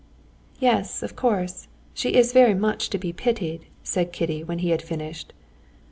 "Yes, of course, she is very much to be pitied," said Kitty, when he had finished.